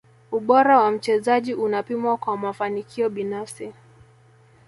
ubora wa mchezaji unapimwa kwa mafanikio binafsi